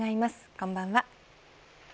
こんばんは。